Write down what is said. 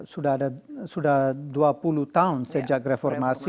sudah ada sudah dua puluh tahun sejak reformasi